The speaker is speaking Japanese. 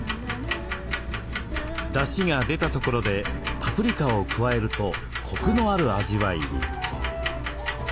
だしが出たところでパプリカを加えるとコクのある味わいに。